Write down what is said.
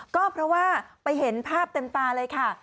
ก็เพราะว่าไปเห็นภาพเต็มตาเลยค่ะ